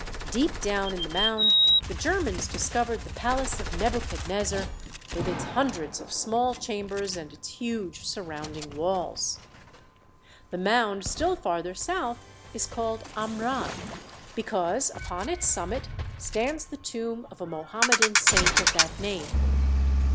Deep down in the mound the Germans discovered the palace of Nebuchadnezzar with its hundreds of small chambers and its huge surrounding walls. The mound still farther south is called Amran, because upon its summit stands the tomb of a Mohammedan saint of that name.